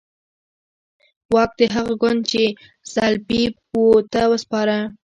واک د هغه ګوند چې سلپيپ وو ته وسپاره.